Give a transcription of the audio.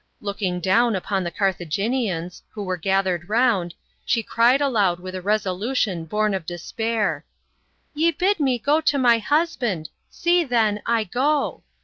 Looking down upon the Carthaginians, who were gathered round, she cried aloud with a resolution O ' born of despair " Ye bid me go to my husband. See, then, I go."